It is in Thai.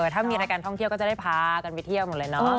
ถ้ามีรายการท่องเที่ยวก็จะได้พากันไปเที่ยวหมดเลยเนาะ